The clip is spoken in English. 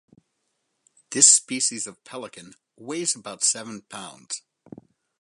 This species of pelican weighs about seven pounds.